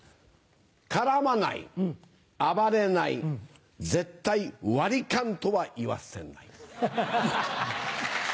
絡まない暴れない絶対割り勘とは言わせない。